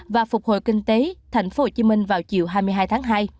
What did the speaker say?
và phục hồi kinh tế thành phố hồ chí minh vào chiều hai mươi hai tháng hai